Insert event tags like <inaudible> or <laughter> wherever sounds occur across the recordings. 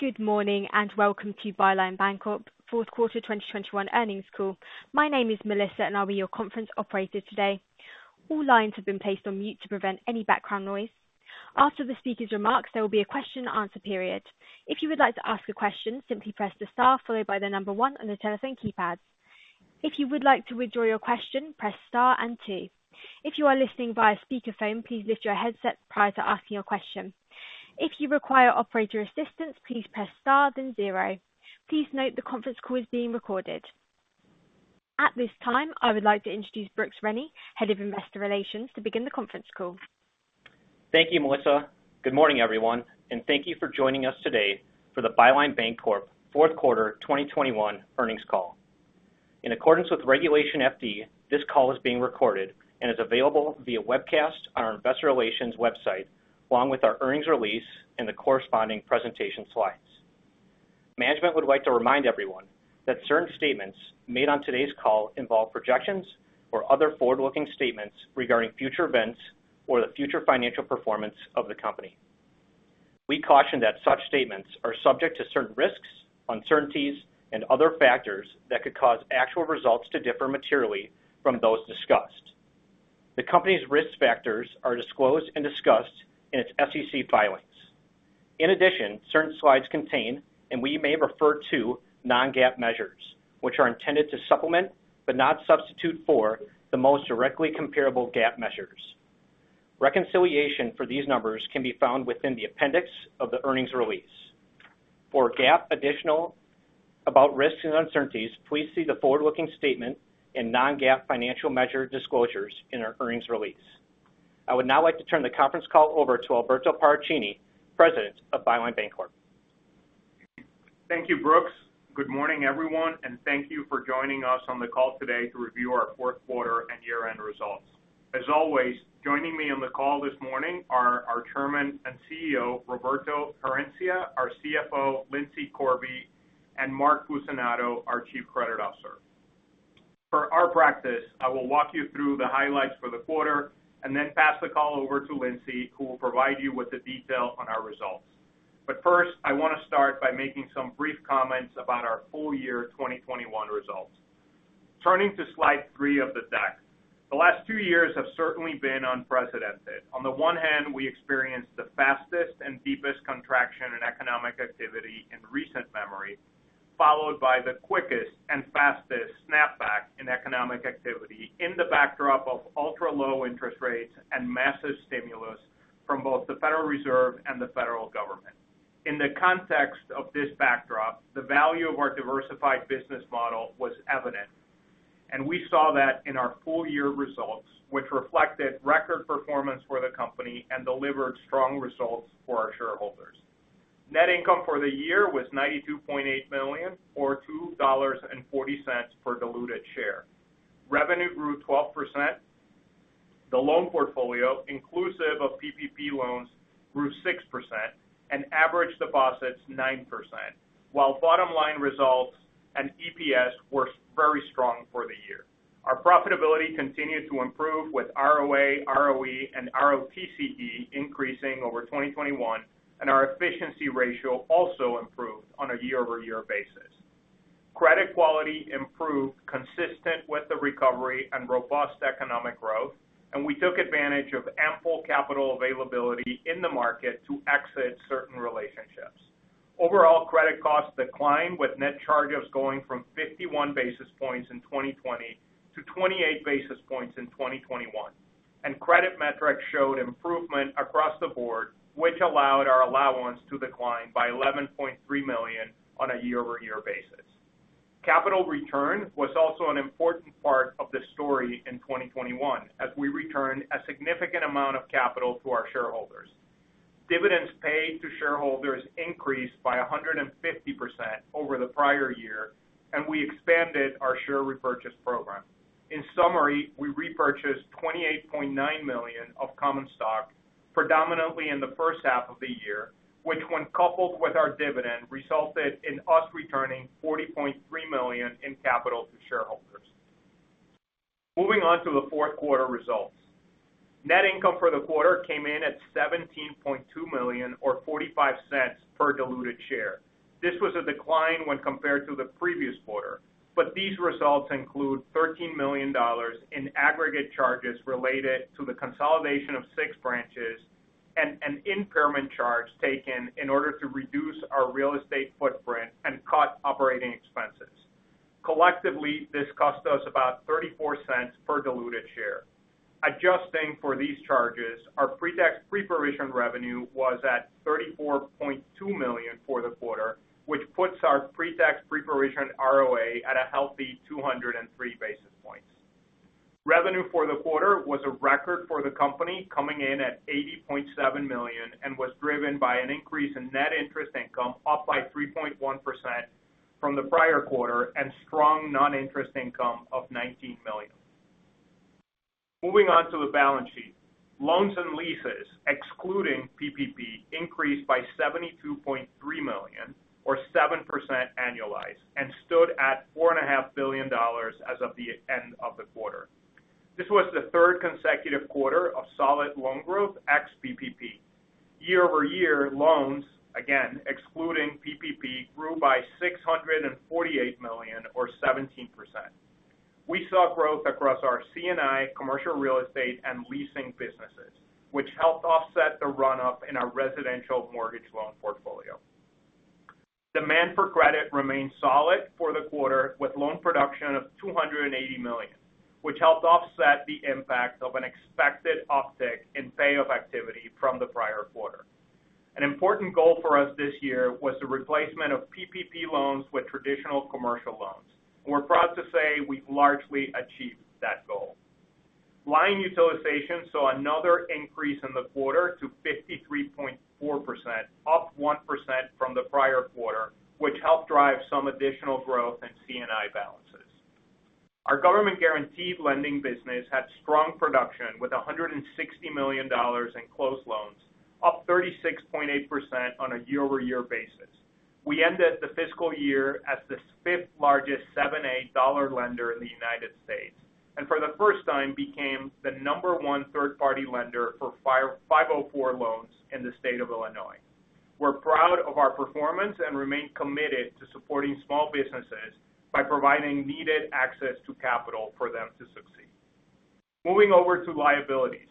Good morning, and welcome to Byline Bancorp fourth quarter 2021 earnings call. My name is Melissa, and I'll be your Conference Operator today. All lines have been placed on mute to prevent any background noise. After the speaker's remarks, there will be a question-and-answer period. If you would like to ask a question, simply press the star, followed by the number one on your telephone keypad. If you would like to withdraw your question, press star and two. If you are listening via speaker phone, please lift your headset prior to asking your question. If you require operator assistance, please press star then zero. Please note the conference call is being recorded. At this time, I would like to introduce Brooks Rennie, Head of Investor Relations, to begin the conference call. Thank you, Melissa. Good morning, everyone, and thank you for joining us today for the Byline Bancorp fourth quarter 2021 earnings call. In accordance with Regulation FD, this call is being recorded and is available via webcast on our investor relations website, along with our earnings release and the corresponding presentation slides. Management would like to remind everyone that certain statements made on today's call involve projections or other forward-looking statements regarding future events or the future financial performance of the company. We caution that such statements are subject to certain risks, uncertainties, and other factors that could cause actual results to differ materially from those discussed. The company's risk factors are disclosed and discussed in its SEC filings. In addition, certain slides contain, and we may refer to, non-GAAP measures, which are intended to supplement, but not substitute for, the most directly comparable GAAP measures. Reconciliation for these numbers can be found within the appendix of the earnings release. For additional information about risks and uncertainties, please see the forward-looking statement and non-GAAP financial measure disclosures in our earnings release. I would now like to turn the conference call over to Alberto Paracchini, President of Byline Bancorp. Thank you, Brooks. Good morning, everyone, and thank you for joining us on the call today to review our fourth quarter and year-end results. As always, joining me on the call this morning are our Chairman and CEO, Roberto Herencia, our CFO, Lindsay Corby, and Mark Fucinato, our Chief Credit Officer. Per our practice, I will walk you through the highlights for the quarter and then pass the call over to Lindsay, who will provide you with the detail on our results. First, I want to start by making some brief comments about our full year 2021 results. Turning to slide three of the deck. The last two years have certainly been unprecedented. On the one hand, we experienced the fastest and deepest contraction in economic activity in recent memory, followed by the quickest and fastest snapback in economic activity in the backdrop of ultra-low interest rates and massive stimulus from both the Federal Reserve and the federal government. In the context of this backdrop, the value of our diversified business model was evident, and we saw that in our full year results, which reflected record performance for the company and delivered strong results for our shareholders. Net income for the year was $92.8 million or $2.40 per diluted share. Revenue grew 12%. The loan portfolio inclusive of PPP loans grew 6% and average deposits 9%, while bottom line results and EPS were very strong for the year. Our profitability continued to improve with ROA, ROE, and ROTCE increasing over 2021, and our efficiency ratio also improved on a year-over-year basis. Credit quality improved consistent with the recovery and robust economic growth, and we took advantage of ample capital availability in the market to exit certain relationships. Overall credit costs declined, with net charges going from 51 basis points in 2020 to 28 basis points in 2021. Credit metrics showed improvement across the board, which allowed our allowance to decline by $11.3 million on a year-over-year basis. Capital return was also an important part of the story in 2021 as we returned a significant amount of capital to our shareholders. Dividends paid to shareholders increased by 150% over the prior year, and we expanded our share repurchase program. In summary, we repurchased $28.9 million of common stock predominantly in the first half of the year, which when coupled with our dividend, resulted in us returning $40.3 million in capital to shareholders. Moving on to the fourth quarter results. Net income for the quarter came in at $17.2 million or $0.45 per diluted share. This was a decline when compared to the previous quarter, but these results include $13 million in aggregate charges related to the consolidation of six branches and an impairment charge taken in order to reduce our real estate footprint and cut operating expenses. Collectively, this cost us about $0.34 per diluted share. Adjusting for these charges, our pre-tax pre-provision revenue was at $34.2 million for the quarter, which puts our pre-tax pre-provision ROA at a healthy 203 basis points. Revenue for the quarter was a record for the company coming in at $80.7 million and was driven by an increase in net interest income up by 3.1% from the prior quarter and strong non-interest income of $19 million. Moving on to the balance sheet. Loans and leases, excluding PPP, increased by $72.3 million, or 7% annualized, and stood at $4.5 billion as of the end of the quarter. This was the third consecutive quarter of solid loan growth ex-PPP. Year-over-year loans, again, excluding PPP, grew by $648 million or 17%. We saw growth across our C&I commercial real estate and leasing businesses, which helped offset the run-up in our residential mortgage loan portfolio. Demand for credit remained solid for the quarter with loan production of $280 million, which helped offset the impact of an expected uptick in payoff activity from the prior quarter. An important goal for us this year was the replacement of PPP loans with traditional commercial loans. We're proud to say we've largely achieved that goal. Line utilization saw another increase in the quarter to 53.4%, up 1% from the prior quarter, which helped drive some additional growth in C&I balances. Our government guaranteed lending business had strong production with $160 million in closed loans, up 36.8% on a year-over-year basis. We ended the fiscal year as the fifth-largest 7(a) dollar lender in the United States, and for the first time, became the number one third-party lender for 504 loans in the state of Illinois. We're proud of our performance and remain committed to supporting small businesses by providing needed access to capital for them to succeed. Moving over to liabilities.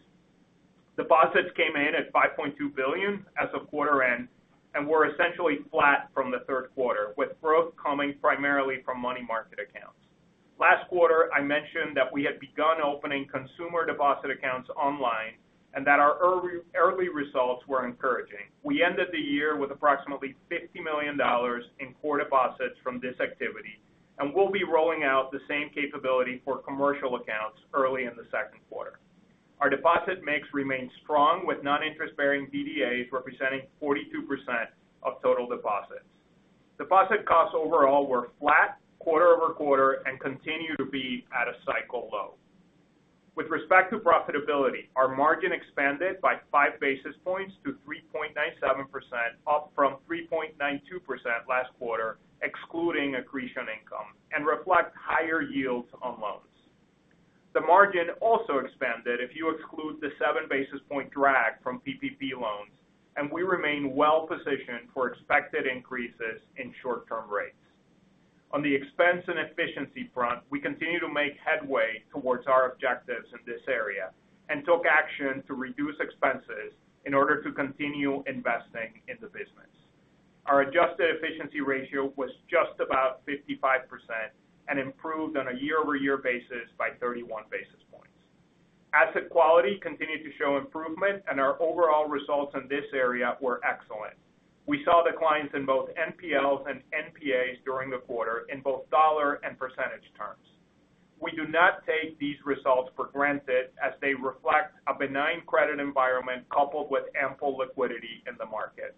Deposits came in at $5.2 billion as of quarter end and were essentially flat from the third quarter, with growth coming primarily from money market accounts. Last quarter, I mentioned that we had begun opening consumer deposit accounts online and that our early results were encouraging. We ended the year with approximately $50 million in core deposits from this activity, and we'll be rolling out the same capability for commercial accounts early in the second quarter. Our deposit mix remains strong with non-interest-bearing DDAs representing 42% of total deposits. Deposit costs overall were flat quarter-over-quarter and continue to be at a cycle low. With respect to profitability, our margin expanded by 5 basis points to 3.97%, up from 3.92% last quarter, excluding accretion income and reflecting higher yields on loans. The margin also expanded if you exclude the 7-basis point drag from PPP loans, and we remain well positioned for expected increases in short-term rates. On the expense and efficiency front, we continue to make headway towards our objectives in this area and took action to reduce expenses in order to continue investing in the business. Our adjusted efficiency ratio was just about 55% and improved on a year-over-year basis by 31 basis points. Asset quality continued to show improvement and our overall results in this area were excellent. We saw declines in both NPLs and NPAs during the quarter in both dollar and percentage terms. We do not take these results for granted as they reflect a benign credit environment coupled with ample liquidity in the market.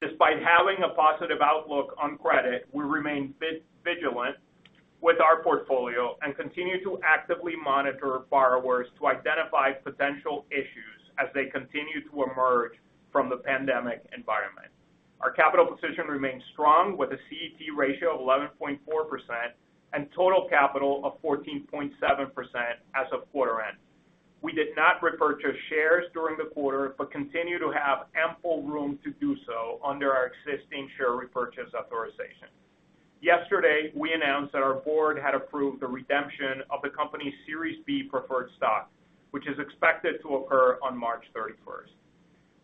Despite having a positive outlook on credit, we remain vigilant with our portfolio and continue to actively monitor borrowers to identify potential issues as they continue to emerge from the pandemic environment. Our capital position remains strong with a CET ratio of 11.4% and total capital of 14.7% as of quarter end. We did not repurchase shares during the quarter, but continue to have ample room to do so under our existing share repurchase authorization. Yesterday, we announced that our board had approved the redemption of the company's Series B preferred stock, which is expected to occur on March 31.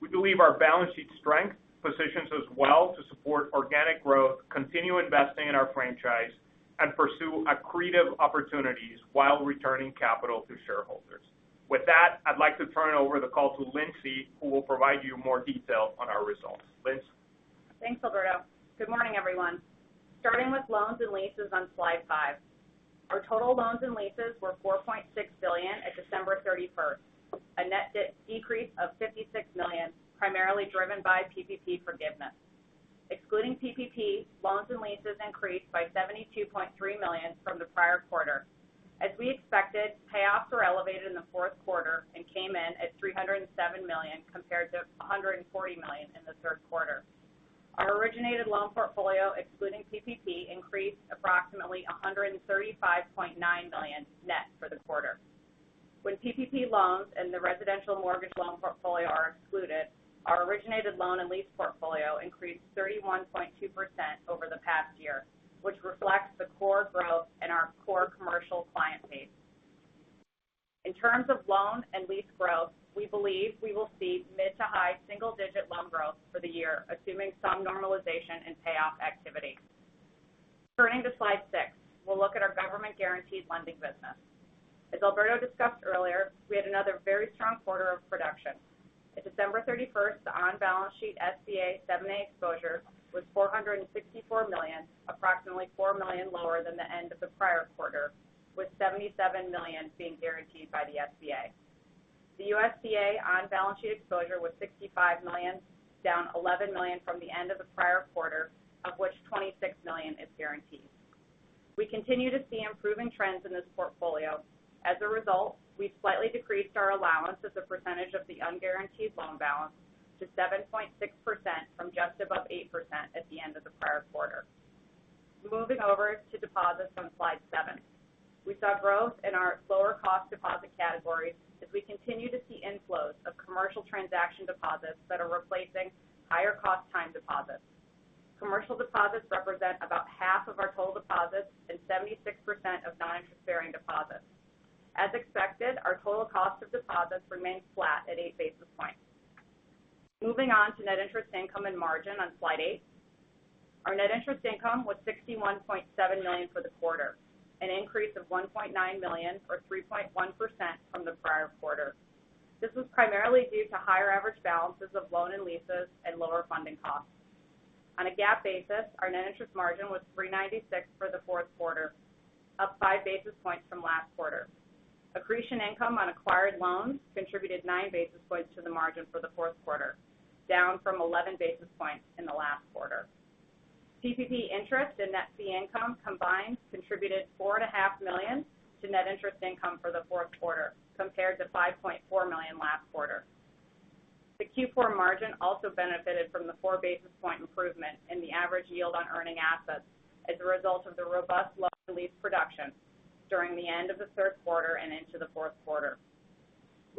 We believe our balance sheet strength positions us well to support organic growth, continue investing in our franchise, and pursue accretive opportunities while returning capital to shareholders. With that, I'd like to turn over the call to Lindsay, who will provide you more detail on our results. Lindsay? Thanks, Alberto. Good morning, everyone. Starting with loans and leases on slide five. Our total loans and leases were $4.6 billion at December 31st, a net decrease of $56 million, primarily driven by PPP forgiveness. Excluding PPP, loans and leases increased by $72.3 million from the prior quarter. As we expected, payoffs were elevated in the fourth quarter and came in at $307 million compared to $140 million in the third quarter. Our originated loan portfolio, excluding PPP, increased approximately $135.9 million net for the quarter. When PPP loans and the residential mortgage loan portfolio are excluded, our originated loan and lease portfolio increased 31.2% over the past year, which reflects the core growth in our core commercial client base. In terms of loan and lease growth, we believe we will see mid- to high-single-digit loan growth for the year, assuming some normalization in payoff activity. Turning to slide six, we'll look at our government-guaranteed lending business. As Alberto discussed earlier, we had another very strong quarter of production. At December 31st, the on-balance sheet SBA 7(a) exposure was $464 million, approximately $4 million lower than the end of the prior quarter, with $77 million being guaranteed by the SBA. The USDA on-balance sheet exposure was $65 million, down $11 million from the end of the prior quarter, of which $26 million is guaranteed. We continue to see improving trends in this portfolio. As a result, we slightly decreased our allowance as a percentage of the unguaranteed loan balance to 7.6% from just above 8% at the end of the prior quarter. Moving over to deposits on slide seven. We saw growth in our lower cost deposit categories as we continue to see inflows of commercial transaction deposits that are replacing higher cost time deposits. Commercial deposits represent about half of our total deposits and 76% of non-interest-bearing deposits. As expected, our total cost of deposits remained flat at 8 basis points. Moving on to net interest income and margin on slide eight. Our net interest income was $61.7 million for the quarter, an increase of $1.9 million or 3.1% from the prior quarter. This was primarily due to higher average balances of loans and leases and lower funding costs. On a GAAP basis, our net interest margin was 3.96% for the fourth quarter, up 5 basis points from last quarter. Accretion income on acquired loans contributed 9 basis points to the margin for the fourth quarter, down from 11 basis points in the last quarter. PPP interest and net fee income combined contributed $4.5 million to net interest income for the fourth quarter compared to $5.4 million last quarter. The Q4 margin also benefited from the 4-basis point improvement in the average yield on earning assets as a result of the robust loan lease production during the end of the third quarter and into the fourth quarter.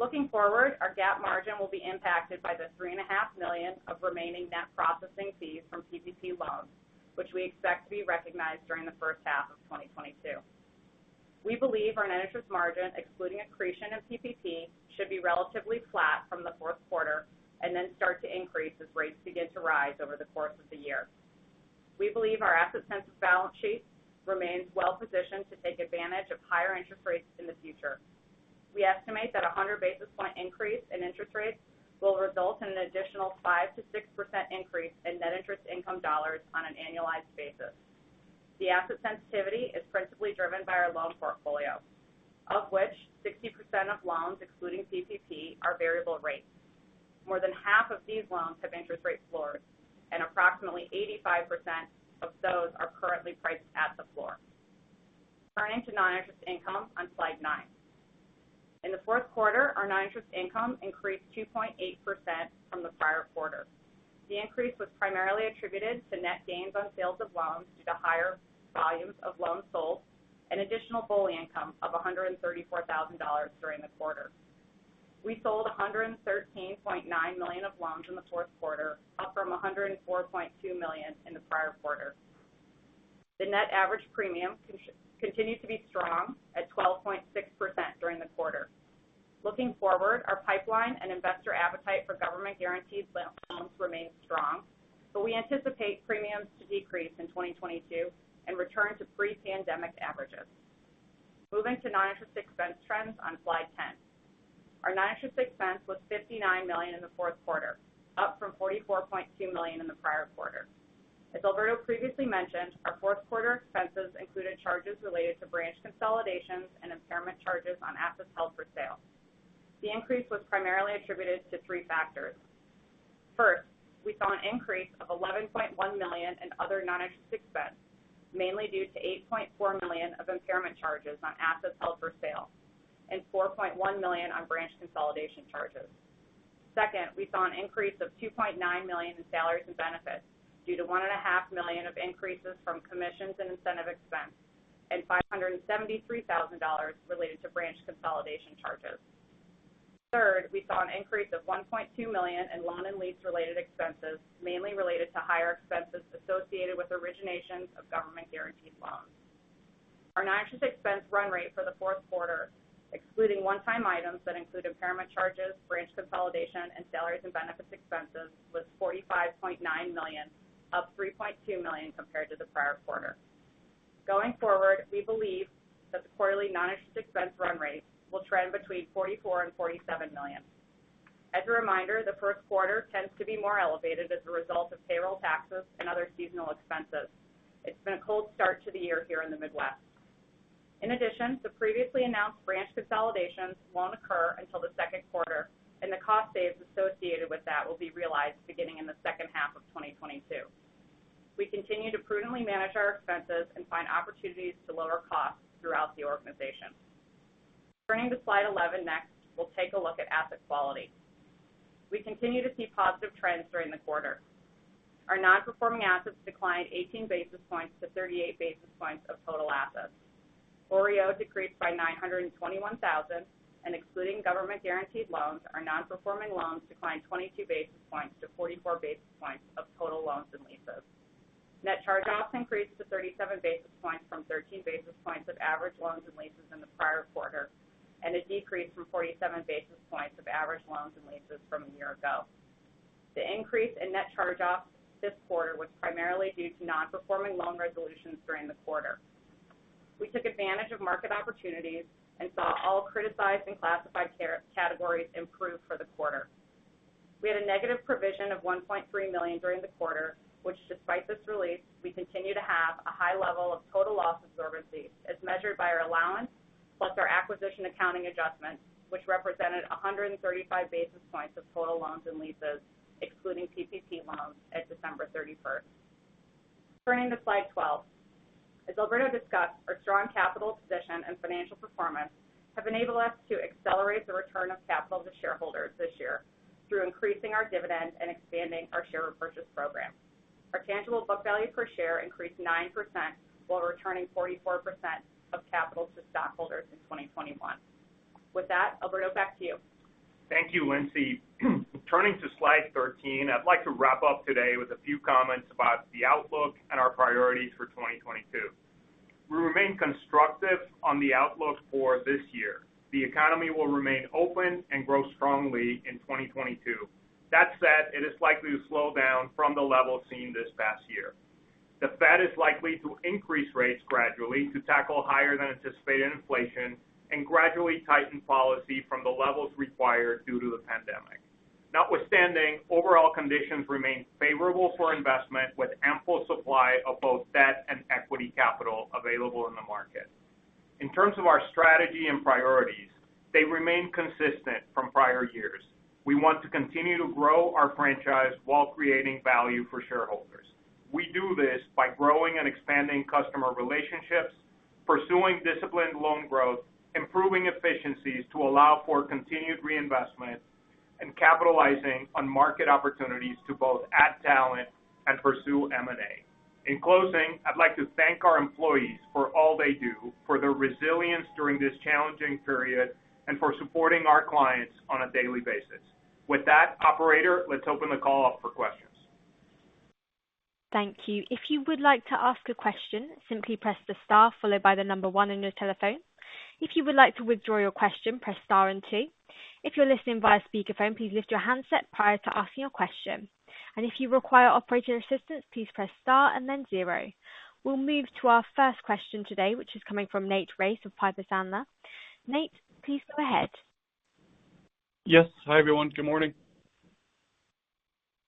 Looking forward, our GAAP margin will be impacted by the $3.5 million of remaining net processing fees from PPP loans, which we expect to be recognized during the first half of 2022. We believe our net interest margin, excluding accretion and PPP, should be relatively flat from the fourth quarter and then start to increase as rates begin to rise over the course of the year. We believe our asset-sensitive balance sheet remains well-positioned to take advantage of higher interest rates in the future. We estimate that 100 basis point increase in interest rates will result in an additional 5%-6% increase in net interest income dollars on an annualized basis. The asset sensitivity is principally driven by our loan portfolio, of which 60% of loans, excluding PPP, are variable rates. More than half of these loans have interest rate floors, and approximately 85% of those are currently priced at the floor. Turning to non-interest income on slide nine. In the fourth quarter, our non-interest income increased 2.8% from the prior quarter. The increase was primarily attributed to net gains on sales of loans due to higher volumes of loans sold and additional BOLI income of $134,000 during the quarter. We sold $113.9 million of loans in the fourth quarter, up from $104.2 million in the prior quarter. The net average premium continued to be strong at 12.6% during the quarter. Looking forward, our pipeline and investor appetite for government-guaranteed loans remains strong, but we anticipate premiums to decrease in 2022 and return to pre-pandemic averages. Moving to non-interest expense trends on slide 10. Our non-interest expense was $59 million in the fourth quarter, up from $44.2 million in the prior quarter. As Alberto previously mentioned, our fourth quarter expenses included charges related to branch consolidations and impairment charges on assets held for sale. The increase was primarily attributed to three factors. First, we saw an increase of $11.1 million in other non-interest expense, mainly due to $8.4 million of impairment charges on assets held for sale and $4.1 million on branch consolidation charges. Second, we saw an increase of $2.9 million in salaries and benefits due to 1.5 million of increases from commissions and incentive expense, and $573,000 related to branch consolidation charges. Third, we saw an increase of $1.2 million in loan and lease related expenses, mainly related to higher expenses associated with originations of government-guaranteed loans. Our non-interest expense run rate for the fourth quarter, excluding one-time items that include impairment charges, branch consolidation, and salaries and benefits expenses, was $45.9 million, up $3.2 million compared to the prior quarter. Going forward, we believe that the quarterly non-interest expense run rate will trend between $44 million and $47 million. As a reminder, the first quarter tends to be more elevated as a result of payroll taxes and other seasonal expenses. It's been a cold start to the year here in the Midwest. In addition, the previously announced branch consolidations won't occur until the second quarter, and the cost savings associated with that will be realized beginning in the second half of 2022. We continue to prudently manage our expenses and find opportunities to lower costs throughout the organization. Turning to slide 11 next, we'll take a look at asset quality. We continue to see positive trends during the quarter. Our non-performing assets declined 18 basis points to 38 basis points of total assets. OREO decreased by $921,000, and excluding government-guaranteed loans, our non-performing loans declined 22 basis points to 44 basis points of total loans and leases. Net charge-offs increased to 37 basis points from 13 basis points of average loans and leases in the prior quarter, and a decrease from 47 basis points of average loans and leases from a year ago. The increase in net charge-offs this quarter was primarily due to non-performing loan resolutions during the quarter. We took advantage of market opportunities and saw all criticized and classified categories improve for the quarter. We had a negative provision of $1.3 million during the quarter, which despite this release, we continue to have a high level of total loss absorbency as measured by our allowance, plus our acquisition accounting adjustments, which represented 135 basis points of total loans and leases, excluding PPP loans at December 31st. Turning to slide 12. As Alberto discussed, our strong capital position and financial performance have enabled us to accelerate the return of capital to shareholders this year through increasing our dividend and expanding our share repurchase program. Our tangible book value per share increased 9% while returning 44% of capital to stockholders in 2021. With that, Alberto, back to you. Thank you, Lindsay. Turning to slide 13, I'd like to wrap up today with a few comments about the outlook and our priorities for 2022. We remain constructive on the outlook for this year. The economy will remain open and grow strongly in 2022. That said, it is likely to slow down from the level seen this past year. The Fed is likely to increase rates gradually to tackle higher than anticipated inflation and gradually tighten policy from the levels required due to the pandemic. Notwithstanding, overall conditions remain favorable for investment with ample supply of both debt and equity capital available in the market. In terms of our strategy and priorities, they remain consistent from prior years. We want to continue to grow our franchise while creating value for shareholders. We do this by growing and expanding customer relationships, pursuing disciplined loan growth, improving efficiencies to allow for continued reinvestment, and capitalizing on market opportunities to both add talent and pursue M&A. In closing, I'd like to thank our employees for all they do, for their resilience during this challenging period, and for supporting our clients on a daily basis. With that, Operator, let's open the call up for questions. Thank you. If you would like to ask a question, simply press the star followed by the number one on your telephone. If you would like to withdraw your question, press star and two. If you're listening via speaker phone, please lift your handset prior to asking your question. If you require operator assistance, please press star and then zero. We'll move to our first question today, which is coming from Nathan Race of Piper Sandler. Nate, please go ahead. Yes. Hi, everyone. Good morning.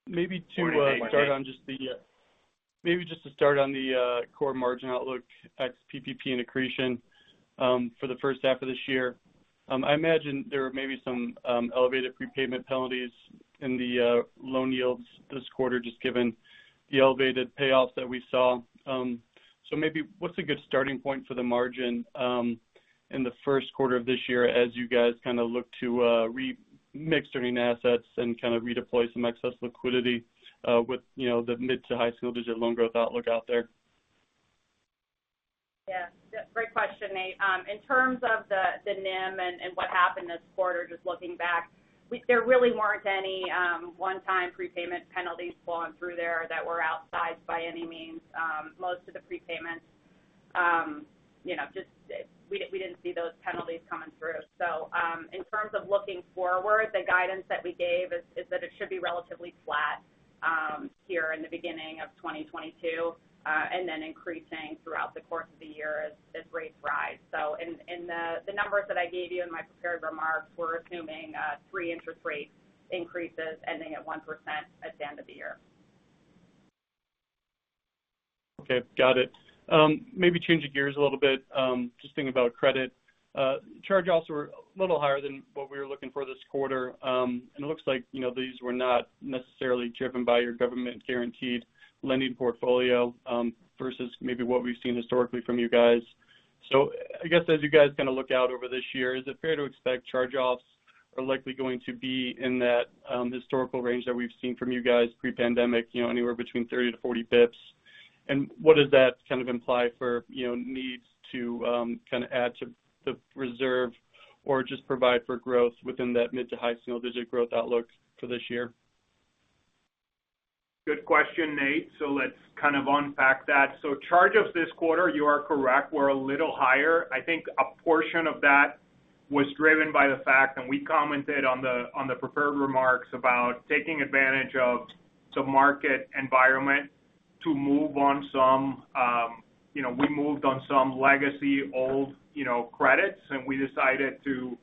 Morning, Nate. <crosstalk> Maybe just to start on the core margin outlook at PPP and accretion for the first half of this year. I imagine there may be some elevated prepayment penalties in the loan yields this quarter, just given the elevated payoffs that we saw. Maybe what's a good starting point for the margin in the first quarter of this year as you guys, kind of look to re-mix certain assets and kind of redeploy some excess liquidity with, you know, the mid- to high-single-digit loan growth outlook out there? Yeah. Great question, Nate. In terms of the NIM and what happened this quarter, just looking back, there really weren't any one-time prepayment penalties flowing through there that were outside by any means. Most of the prepayments, you know, we didn't see those penalties coming through. In terms of looking forward, the guidance that we gave is that it should be relatively flat here in the beginning of 2022 and then increasing throughout the course of the year as rates rise. In the numbers that I gave you in my prepared remarks, we're assuming three interest rate increases ending at 1% at the end of the year. Okay. Got it. Maybe changing gears a little bit, just thinking about credit. Charge-offs were a little higher than what we were looking for this quarter. It looks like, you know, these were not necessarily driven by your government-guaranteed lending portfolio, versus maybe what we've seen historically from you guys. I guess as you guys, kind of look out over this year, is it fair to expect charge-offs are likely going to be in that historical range that we've seen from you guys, pre-pandemic, you know, anywhere between 30-40 basis points? What does that kind of imply for, you know, needs to kind of add to the reserve or just provide for growth within that mid- to high-single-digit growth outlook for this year? Good question, Nate. Let's kind of unpack that. Charge-offs this quarter, you are correct, were a little higher. I think a portion of that was driven by the fact, and we commented on the prepared remarks about taking advantage of the market environment to move on some, you know, we moved on some legacy old, you know, credits, and we decided to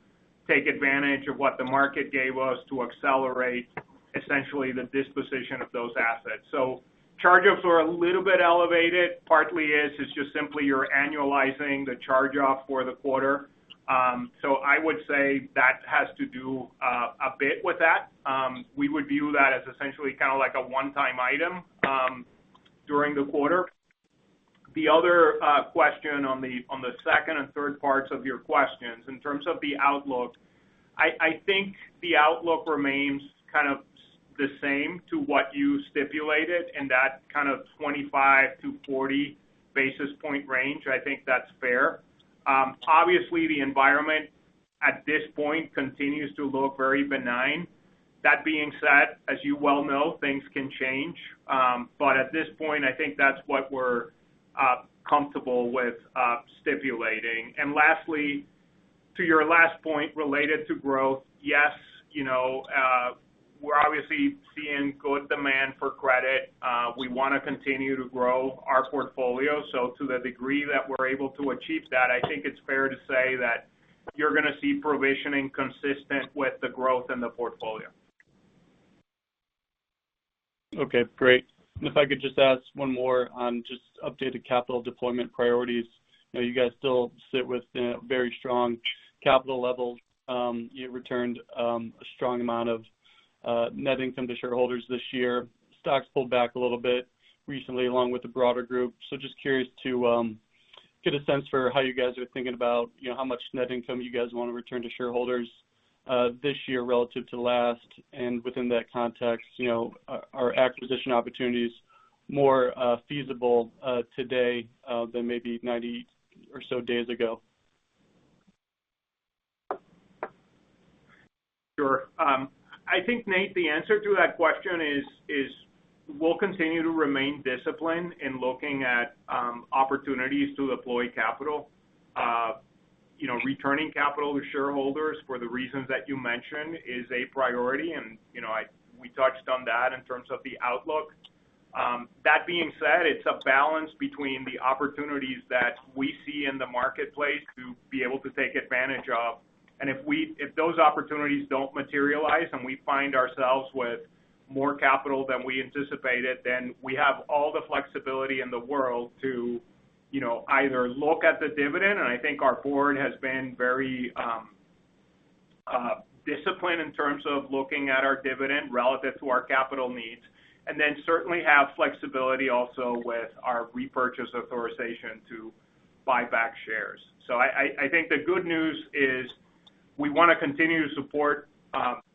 take advantage of what the market gave us to accelerate essentially the disposition of those assets. Charge-offs were a little bit elevated. Partly is just simply you're annualizing the charge-off for the quarter. I would say that has to do a bit with that. We would view that as essentially kind of like a one-time item during the quarter. The other question on the second and third parts of your questions, in terms of the outlook, I think the outlook remains kind of the same to what you stipulated in that kind of 25-40 basis point range. I think that's fair. Obviously, the environment at this point continues to look very benign. That being said, as you well know, things can change. But at this point, I think that's what we're comfortable with stipulating. Lastly, to your last point related to growth, yes, you know, we're obviously seeing good demand for credit. We wanna continue to grow our portfolio. To the degree that we're able to achieve that, I think it's fair to say that you're gonna see provisioning consistent with the growth in the portfolio. Okay, great. If I could just ask one more on just updated capital deployment priorities. You know, you guys still sit with very strong capital levels. You returned a strong amount of net income to shareholders this year. Stock's pulled back a little bit recently along with the broader group. Just curious to get a sense for how you guys are thinking about, you know, how much net income you guys wanna return to shareholders this year relative to last. And within that context, you know, are acquisition opportunities more feasible today than maybe 90 or so days ago? Sure. I think, Nate, the answer to that question is we'll continue to remain disciplined in looking at opportunities to deploy capital. You know, returning capital to shareholders for the reasons that you mentioned is a priority and, you know, we touched on that in terms of the outlook. That being said, it's a balance between the opportunities that we see in the marketplace to be able to take advantage of. If those opportunities don't materialize and we find ourselves with more capital than we anticipated, then we have all the flexibility in the world to, you know, either look at the dividend, and I think our board has been very disciplined in terms of looking at our dividend relative to our capital needs. We certainly have flexibility also with our repurchase authorization to buy back shares. I think the good news is we wanna continue to support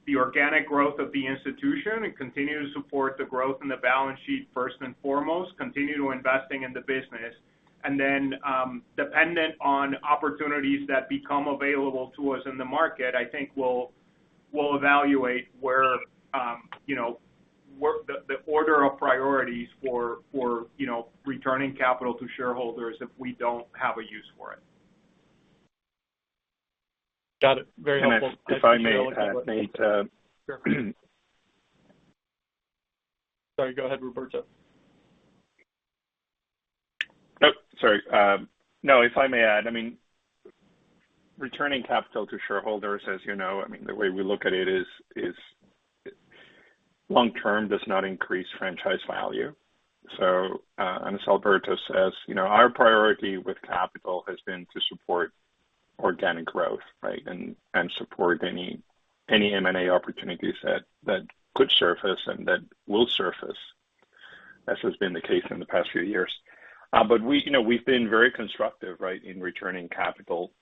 the organic growth of the institution and continue to support the growth in the balance sheet first and foremost, continue investing in the business. Dependent on opportunities that become available to us in the market, I think we'll evaluate where you know the order of priorities for you know returning capital to shareholders if we don't have a use for it. Got it. Very helpful. If I may add, Nate. Sure. Sorry, go ahead, Roberto. Nope. Sorry. No, if I may add, I mean, returning capital to shareholders, as you know, I mean, the way we look at it is in the long term does not increase franchise value. As Alberto says, you know, our priority with capital has been to support organic growth, right? And support any M&A opportunities that could surface and that will surface, as has been the case in the past few years. We, you know, we've been very constructive, right, in returning capital.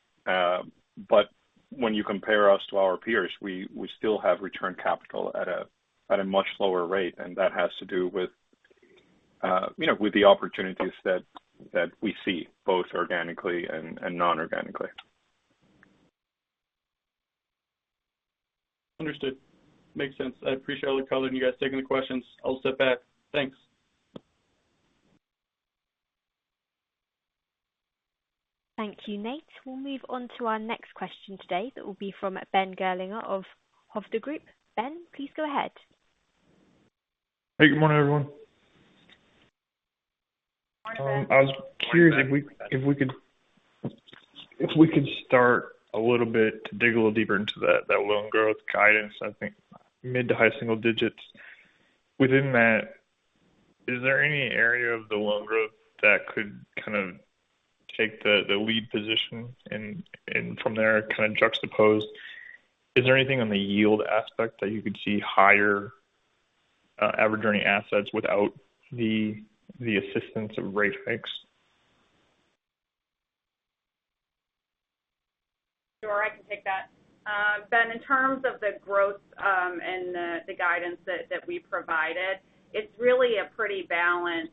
When you compare us to our peers, we still have returned capital at a much lower rate, and that has to do with, you know, with the opportunities that we see both organically and non-organically. Understood. Makes sense. I appreciate all the color, and you guys taking the questions. I'll step back. Thanks. Thank you, Nate. We'll move on to our next question today. That will be from Ben Gerlinger of Hovde Group. Ben, please go ahead. Hey, good morning, everyone. Morning, Ben. I was curious if we could start a little bit to dig a little deeper into that loan growth guidance, I think mid- to high-single digits. Within that, is there any area of the loan growth that could kind of take the lead position and from there kind of juxtapose, is there anything on the yield aspect that you could see higher average earning assets without the assistance of rate hikes? Sure. I can take that. Ben, in terms of the growth and the guidance that we provided, it's really a pretty balanced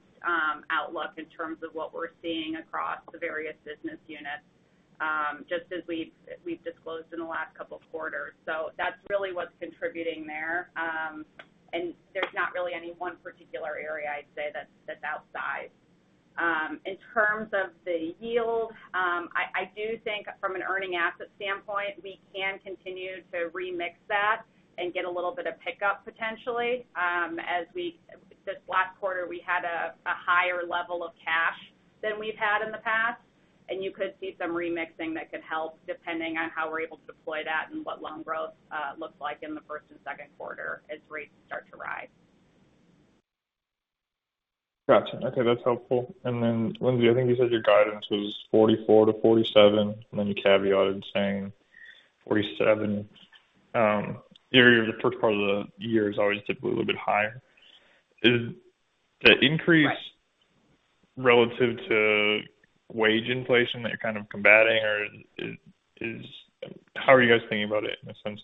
outlook in terms of what we're seeing across the various business units, just as we've disclosed in the last couple of quarters. That's really what's contributing there. There's not really any one particular area I'd say that's outside. In terms of the yield, I do think from an earning asset standpoint, we can continue to remix that and get a little bit of pickup potentially. This last quarter, we had a higher level of cash than we've had in the past, and you could see some re-pricing that could help depending on how we're able to deploy that and what loan growth looks like in the first and second quarter as rates start to rise. Gotcha. Okay. That's helpful. Lindsay, I think you said your guidance was $44 million-$47 million, and then you caveated saying $47 million, area of the first part of the year is always typically a little bit higher. Right. Is the increase relative to wage inflation that you're kind of combating? How are you guys thinking about it in the sense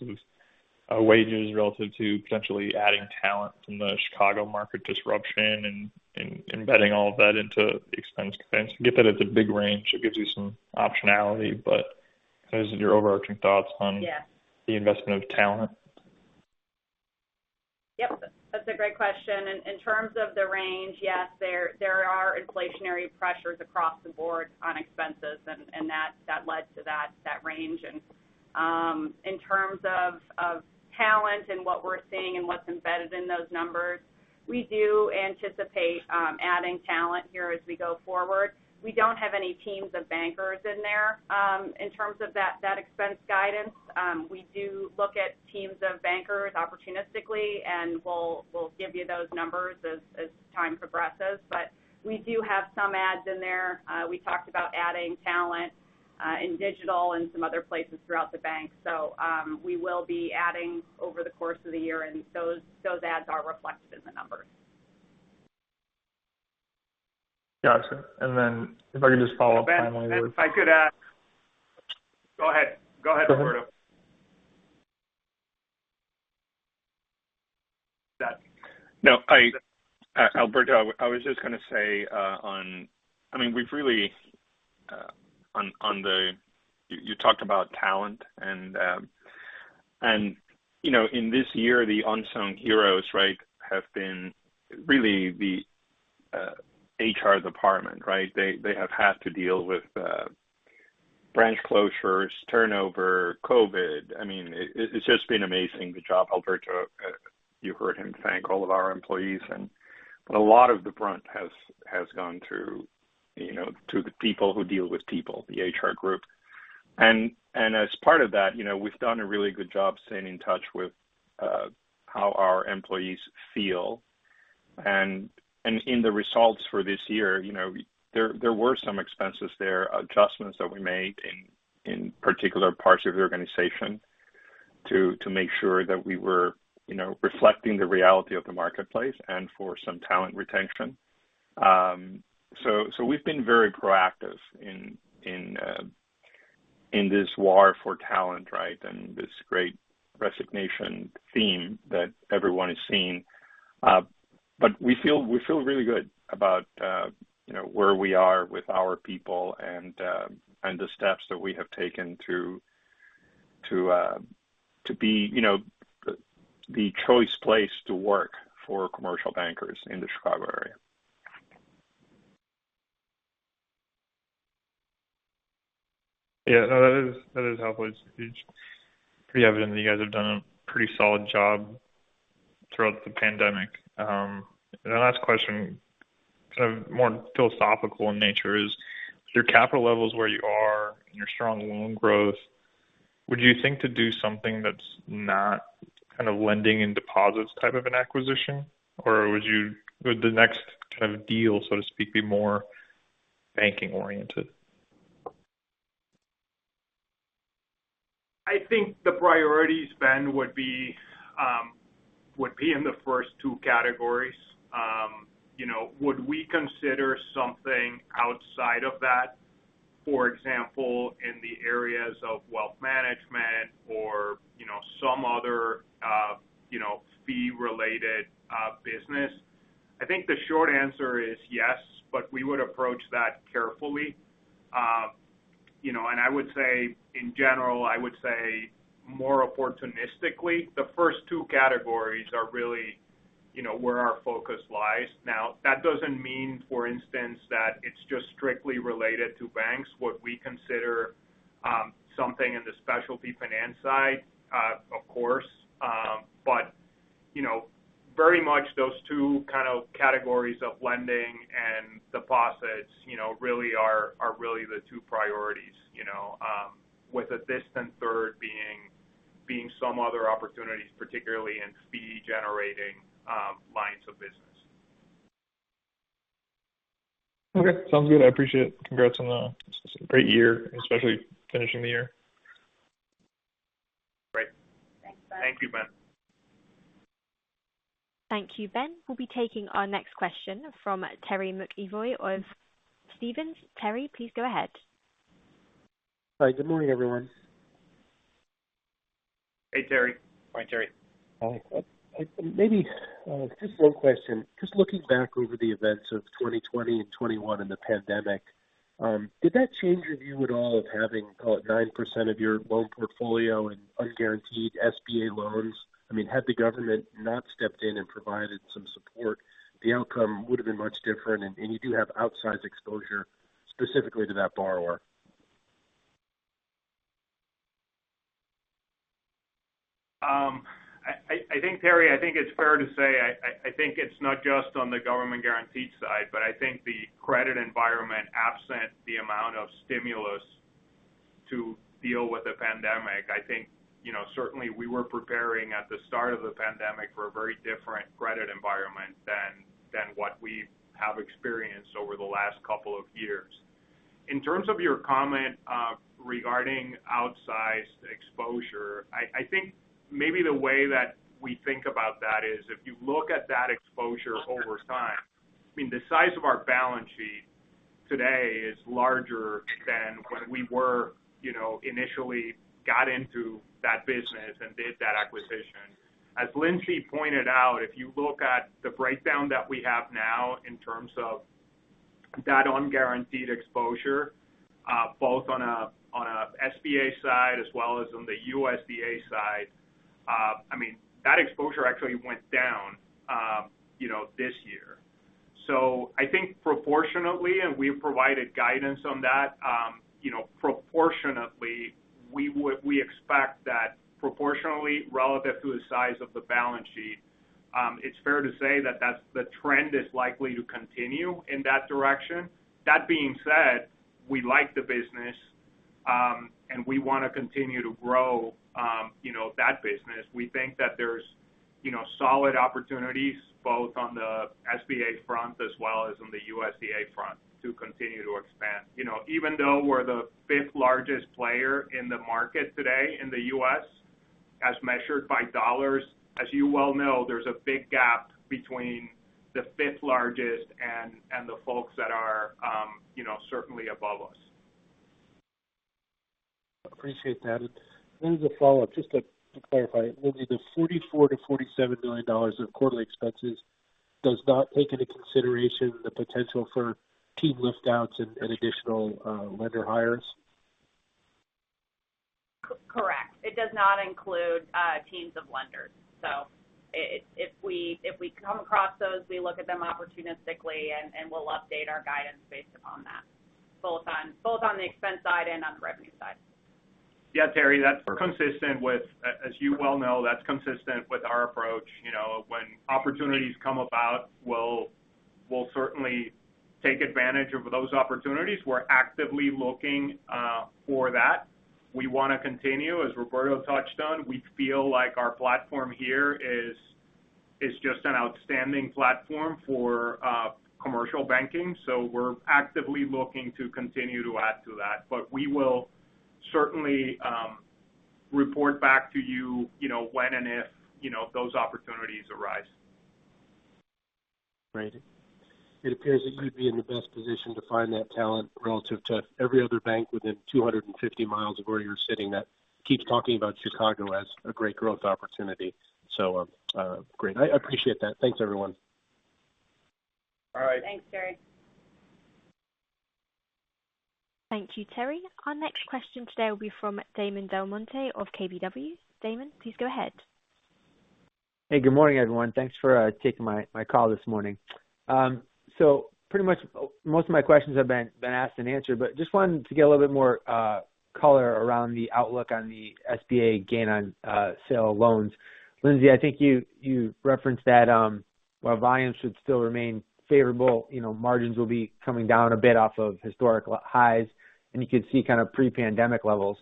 of wages relative to potentially adding talent from the Chicago market disruption and embedding all of that into expense base? I get that it's a big range, it gives you some optionality, but those are your overarching thoughts on Yeah. the investment of talent. Yep. That's a great question. In terms of the range, yes, there are inflationary pressures across the board on expenses and that led to that range. In terms of talent and what we're seeing and what's embedded in those numbers, we do anticipate adding talent here as we go forward. We don't have any teams of bankers in there in terms of that expense guidance. We do look at teams of bankers opportunistically, and we'll give you those numbers as time progresses. We do have some adds in there. We talked about adding talent in digital and some other places throughout the bank. We will be adding over the course of the year, and those ads are reflected in the numbers. Got you. If I could just follow up finally with- Ben, if I could add. Go ahead, Roberto. Go ahead. Yeah. No, Alberto, I was just gonna say, I mean, we've really. You talked about talent and you know, in this year, the unsung heroes, right, have been really the HR department, right? They have had to deal with branch closures, turnover, COVID. I mean, it's just been amazing the job. Alberto, you heard him thank all of our employees and a lot of the brunt has gone through you know, to the people who deal with people, the HR group. As part of that, you know, we've done a really good job staying in touch with how our employees feel. In the results for this year, you know, there were some expenses there, adjustments that we made in particular parts of the organization to make sure that we were, you know, reflecting the reality of the marketplace and for some talent retention. So, we've been very proactive in this war for talent, right? This great resignation theme that everyone is seeing. We feel really good about, you know, where we are with our people and the steps that we have taken to be, you know, the choice place to work for commercial bankers in the Chicago area. Yeah. No, that is helpful. It's pretty evident that you guys have done a pretty solid job throughout the pandemic. The last question, kind of more philosophical in nature is, with your capital levels where you are and your strong loan growth, would you think to do something that's not kind of lending and deposits type of an acquisition? Or would the next kind of deal, so to speak, be more banking oriented? I think the priorities, Ben, would be in the first two categories. You know, would we consider something outside of that, for example, in the areas of wealth management or you know, some other, you know, fee related business? I think the short answer is yes, but we would approach that carefully. You know, and I would say in general, I would say more opportunistically, the first two categories are really, you know, where our focus lies. Now, that doesn't mean, for instance, that it's just strictly related to banks. Would we consider something in the specialty finance side? Of course. You know, very much those two kind of categories of lending and deposits really are the two priorities, you know, with a distant third being some other opportunities, particularly in fee generating lines of business. Okay, sounds good. I appreciate it. Congrats on the great year, especially finishing the year. Great. Thanks, Ben. Thank you, Ben. Thank you, Ben. We'll be taking our next question from Terry McEvoy of Stephens. Terry, please go ahead. Hi, good morning, everyone. Hey, Terry. Morning, Terry. Hi. Maybe just one question. Just looking back over the events of 2020 and 2021 and the pandemic, did that change your view at all of having about 9% of your loan portfolio in unguaranteed SBA loans? I mean, had the government not stepped in and provided some support, the outcome would have been much different. You do have outsized exposure specifically to that borrower. I think Terry, I think it's fair to say, I think it's not just on the government guaranteed side, but I think the credit environment, absent the amount of stimulus to deal with the pandemic. I think, you know, certainly we were preparing at the start of the pandemic for a very different credit environment than what we have experienced over the last couple of years. In terms of your comment, regarding outsized exposure, I think maybe the way that we think about that is if you look at that exposure over time, I mean, the size of our balance sheet today is larger than when we were, you know, initially got into that business and did that acquisition. As Lindsey pointed out, if you look at the breakdown that we have now in terms of that unguaranteed exposure, both on a SBA side as well as on the USDA side, I mean, that exposure actually went down, you know, this year. I think proportionately, and we've provided guidance on that, you know, proportionately, we expect that proportionally relative to the size of the balance sheet, it's fair to say that that's the trend is likely to continue in that direction. That being said, we like the business, and we want to continue to grow, you know, that business. We think that there's you know, solid opportunities both on the SBA front as well as on the USDA front to continue to expand. You know, even though we're the fifth-largest player in the market today in the U.S. as measured by dollars, as you well know, there's a big gap between the fifth largest and the folks that are, you know, certainly above us. Appreciate that. Then as a follow-up, just to clarify, Lindsay, the $44 million-$47 million of quarterly expenses does not take into consideration the potential for team lift-outs and additional lender hires? Correct. It does not include teams of lenders. If we come across those, we look at them opportunistically, and we'll update our guidance based upon that, both on the expense side and on the revenue side. Yeah, Terry, as you well know, that's consistent with our approach. You know, when opportunities come about, we'll certainly take advantage of those opportunities. We're actively looking for that. We wanna continue, as Roberto touched on. We feel like our platform here is just an outstanding platform for commercial banking, so we're actively looking to continue to add to that. We will certainly report back to you know, when and if, you know, those opportunities arise. Great. It appears that you'd be in the best position to find that talent relative to every other bank within 250 miles of where you're sitting that keeps talking about Chicago as a great growth opportunity. Great. I appreciate that. Thanks, everyone. All right. Thanks, Terry. Thank you, Terry. Our next question today will be from Damon DelMonte of KBW. Damon, please go ahead. Hey, good morning, everyone. Thanks for taking my call this morning. Pretty much most of my questions have been asked and answered, but just wanted to get a little bit more color around the outlook on the SBA gain on sale loans. Lindsay, I think you referenced that, while volume should still remain favorable, you know, margins will be coming down a bit off of historical highs, and you could see kind of pre-pandemic levels.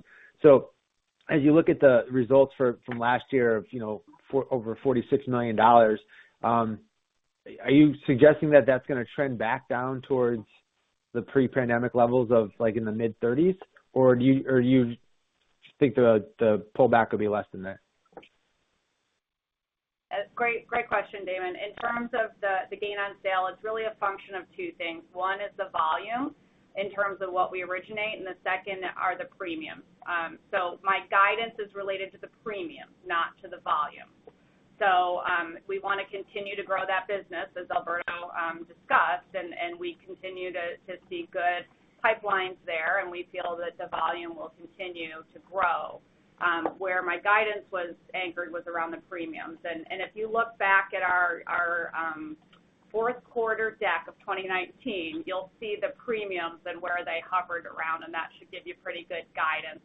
As you look at the results from last year of, you know, over $46 million, are you suggesting that that's gonna trend back down towards the pre-pandemic levels of like in the mid-$30s? Or do you think the pullback will be less than that? Great question, Damon. In terms of the gain on sale, it's really a function of two things. One is the volume in terms of what we originate, and the second are the premiums. My guidance is related to the premium, not to the volume. We wanna continue to grow that business, as Alberto discussed, and we continue to see good pipelines there, and we feel that the volume will continue to grow. Where my guidance was anchored was around the premiums. If you look back at our fourth quarter deck of 2019, you'll see the premiums and where they hovered around, and that should give you pretty good guidance,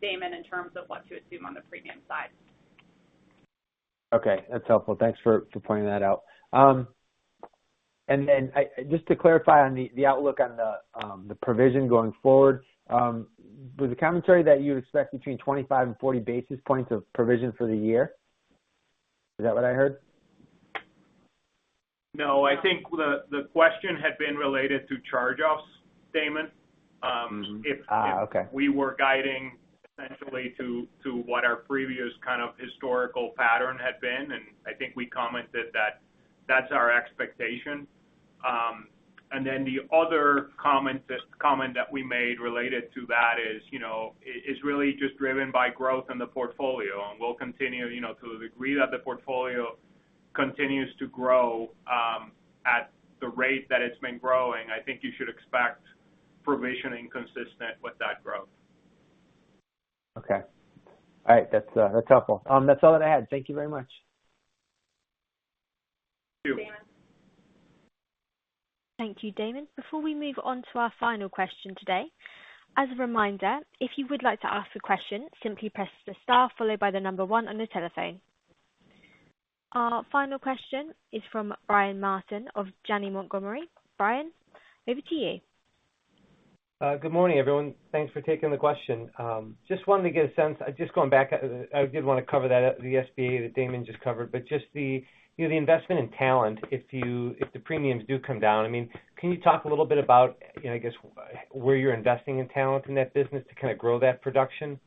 Damon, in terms of what to assume on the premium side. Okay. That's helpful. Thanks for pointing that out. Just to clarify on the outlook on the provision going forward, was the commentary that you'd expect between 25 and 40 basis points of provision for the year? Is that what I heard? No. I think the question had been related to charge-offs, Damon. Mm-hmm. Okay. If we were guiding essentially to what our previous kind of historical pattern had been, and I think we commented that that's our expectation. The other comment that we made related to that is, you know, it is really just driven by growth in the portfolio. We'll continue, you know, to the degree that the portfolio continues to grow at the rate that it's been growing, I think you should expect provisioning consistent with that growth. Okay. All right. That's helpful. That's all I had. Thank you very much. Thank you. Thanks, Damon. Thank you, Damon. Before we move on to our final question today, as a reminder, if you would like to ask a question, simply press the star followed by the number one on your telephone. Our final question is from Brian Martin of Janney Montgomery. Brian, over to you. Good morning, everyone. Thanks for taking the question. Just wanted to get a sense. Just going back, I did wanna cover that, the SBA that Damon just covered. Just the, you know, the investment in talent, if the premiums do come down, I mean, can you talk a little bit about, you know, I guess, where you're investing in talent in that business to kind of grow that production?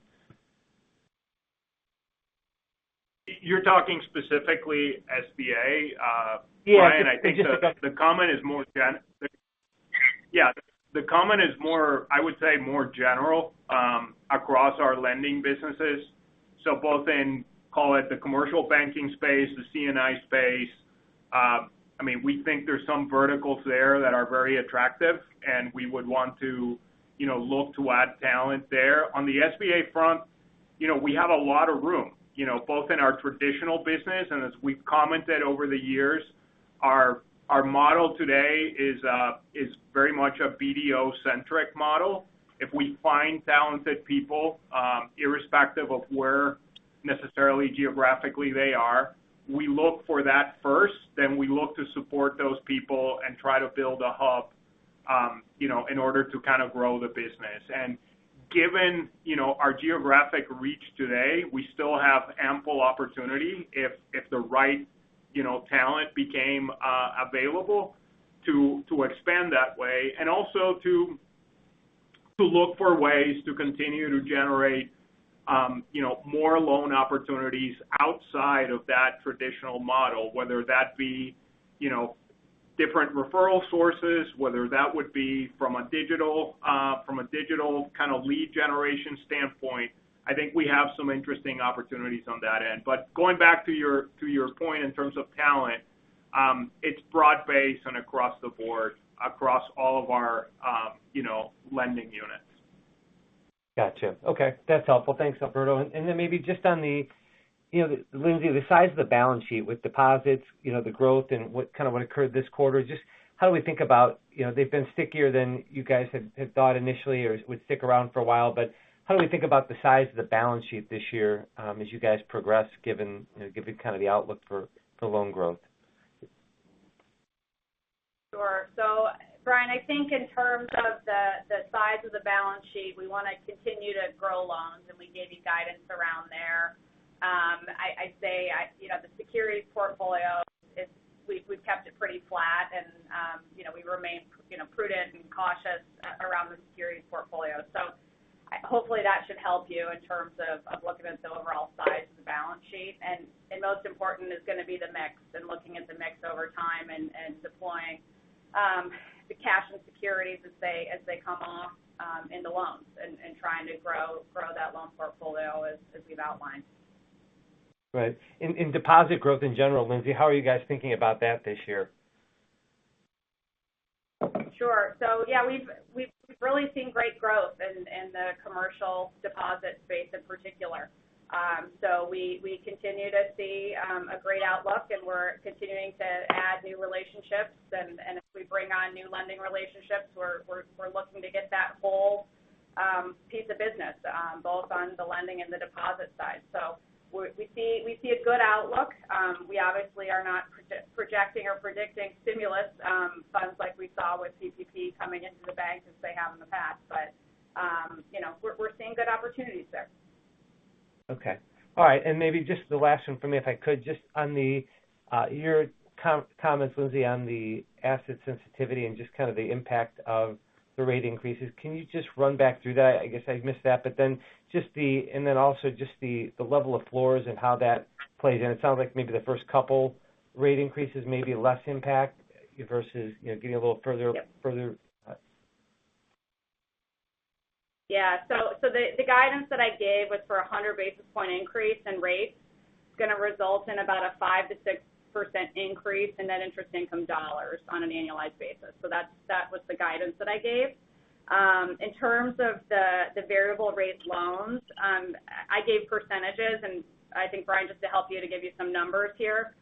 You're talking specifically SBA. Yeah. Brian, I think the- Just about- The comment is more, I would say, more general across our lending businesses. So, both in, call it, the commercial banking space, the C&I space. I mean, we think there's some verticals there that are very attractive, and we would want to, you know, look to add talent there. On the SBA front, you know, we have a lot of room, you know, both in our traditional business and as we've commented over the years, our model today is very much a BDO-centric model. If we find talented people, irrespective of where necessarily geographically they are, we look for that first, then we look to support those people and try to build a hub, you know, in order to kind of grow the business. Given, you know, our geographic reach today, we still have ample opportunity if the right, you know, talent became available to expand that way and also to look for ways to continue to generate, you know, more loan opportunities outside of that traditional model, whether that be, you know, different referral sources, whether that would be from a digital, from a digital kind of lead generation standpoint. I think we have some interesting opportunities on that end. Going back to your point in terms of talent, it's broad-based and across the board across all of our, you know, lending units. Gotcha. Okay. That's helpful. Thanks, Alberto. Maybe just on the, you know, Lindsay, the size of the balance sheet with deposits, you know, the growth and what kind of occurred this quarter, just how do we think about, you know, they've been stickier than you guys have thought initially or would stick around for a while, but how do we think about the size of the balance sheet this year, as you guys progress, given you know kind of the outlook for loan growth? Sure. Brian, I think in terms of the size of the balance sheet, we want to continue to grow loans, and we gave you guidance around there. I'd say, you know, the securities portfolio is. We've kept it pretty flat and, you know, we remain, you know, prudent and cautious around the securities portfolio. Hopefully, that should help you in terms of looking at the overall size of the balance sheet. Most important is going to be the mix and looking at the mix over time and deploying the cash and securities as they come off in the loans and trying to grow that loan portfolio as we've outlined. Right. In deposit growth, in general, Lindsay, how are you guys thinking about that this year? Sure. Yeah, we've really seen great growth in the commercial deposit space in particular. We continue to see a great outlook and we're continuing to add new relationships. As we bring on new lending relationships, we're looking to get that whole piece of business both on the lending and the deposit side. We see a good outlook. We obviously are not projecting or predicting stimulus funds like we saw with PPP coming into the banks as they have in the past, but you know, we're seeing good opportunities there. Okay. All right. Maybe just the last one for me, if I could just, on your comments, Lindsay, on the asset sensitivity and just kind of the impact of the rate increases, can you just run back through that? I guess I missed that, but then just the level of floors and how that plays in. It sounds like maybe the first couple rate increases may be less impact versus, you know, getting a little further- Yep. Further. Yeah. The guidance that I gave was for 100 basis point increase in rates. It's gonna result in about a 5%-6% increase in net interest income dollars on an annualized basis. That was the guidance that I gave. In terms of the variable rate loans, I gave percentages and I think Brian, just to help you give you some numbers here,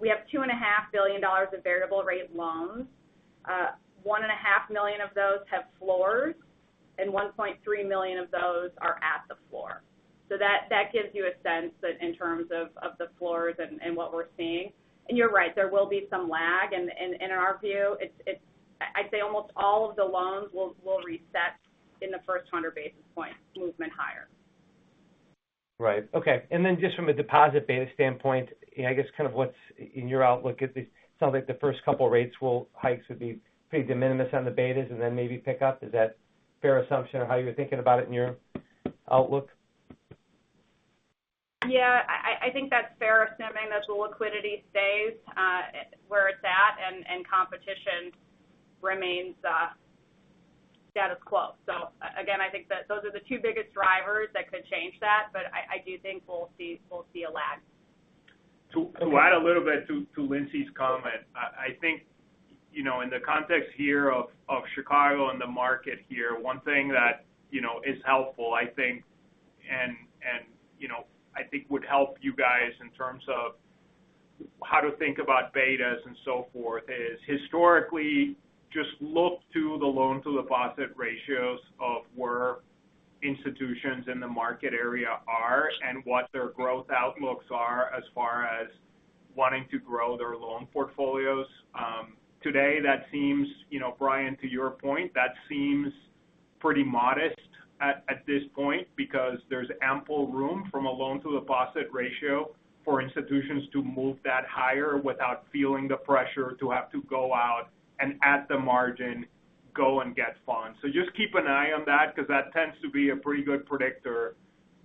we have $2.5 billion of variable rate loans. $1.5 million of those have floors and $1.3 million of those are at the floor. That gives you a sense that in terms of the floors and what we're seeing. You're right, there will be some lag and, in our view, it's, I'd say almost all of the loans will reset in the first 100 basis points movement higher. Right. Okay. Just from a deposit beta standpoint, I guess kind of what's in your outlook. It sounds like the first couple rate hikes would be pretty de minimis on the betas and then maybe pick up. Is that a fair assumption or how you're thinking about it in your outlook? Yeah. I think that's fair assuming that the liquidity stays where it's at and competition remains status quo. Again, I think that those are the two biggest drivers that could change that, but I do think we'll see a lag. To add a little bit to Lindsay's comment. I think, you know, in the context here of Chicago and the market here, one thing that, you know, is helpful, I think, and you know, I think would help you guys in terms of how to think about betas and so forth is historically just look to the loan to deposit ratios of where institutions in the market area are and what their growth outlooks are as far as wanting to grow their loan portfolios. Today, that seems, you know, Brian, to your point, that seems pretty modest at this point because there's ample room from a loan to deposit ratio for institutions to move that higher without feeling the pressure to have to go out and at the margin go and get funds. Just keep an eye on that because that tends to be a pretty good predictor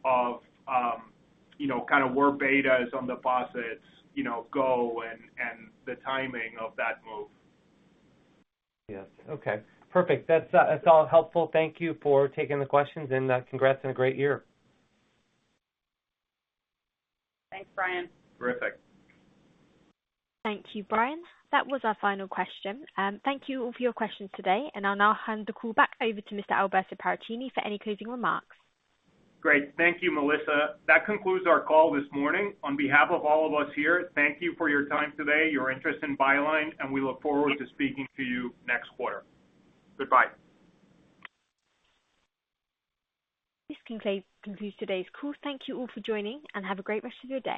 of, you know, kind of where betas on deposits, you know, go and the timing of that move. Yes. Okay. Perfect. That's all helpful. Thank you for taking the questions and congrats on a great year. Thanks, Brian. Terrific. Thank you, Brian. That was our final question. Thank you all for your questions today, and I'll now hand the call back over to Mr. Alberto Paracchini for any closing remarks. Great. Thank you, Melissa. That concludes our call this morning. On behalf of all of us here, thank you for your time today, your interest in Byline, and we look forward to speaking to you next quarter. Goodbye. This concludes today's call. Thank you all for joining and have a great rest of your day.